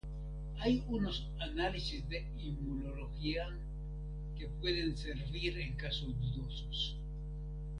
Hay unos análisis de inmunología que pueden servir en casos dudosos.